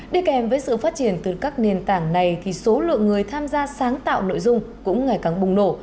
đi kèm với sự phát triển từ các nền tảng này thì số lượng người tham gia sáng tạo nội dung cũng ngày càng bùng nổ